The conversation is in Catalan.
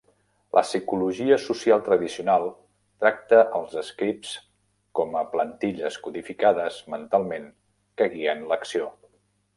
La psicologia social tradicional tracta els scripts com a plantilles codificades mentalment que guien l'acció.